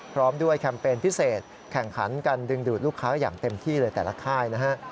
พร้อมด้วยแคมเปญพิเศษแข่งขันกันดึงดูดลูกค้าอย่างเต็มที่เลยแต่ละค่ายนะฮะ